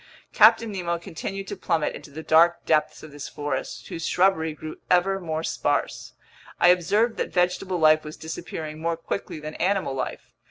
Captain Nemo continued to plummet into the dark depths of this forest, whose shrubbery grew ever more sparse. I observed that vegetable life was disappearing more quickly than animal life.